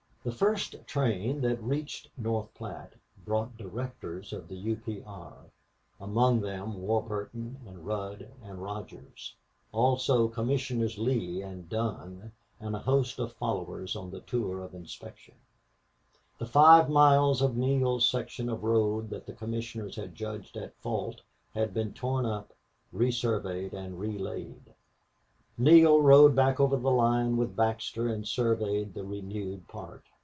The first train that reached North Platte brought directors of the U. P. R. among them Warburton and Rudd and Rogers; also Commissioners Lee and Dunn and a host of followers on a tour of inspection. The five miles of Neale's section of road that the commissioners had judged at fault had been torn up, resurveyed, and relaid. Neale rode back over the line with Baxter and surveyed the renewed part.